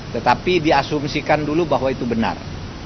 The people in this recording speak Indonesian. tetapi diasumsikan dulu bahwa itu benar